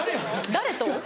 誰と？